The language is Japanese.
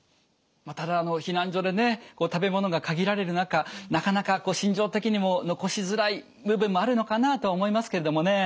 ただ避難所でね食べ物が限られる中なかなか心情的にも残しづらい部分もあるのかなとは思いますけれどもね。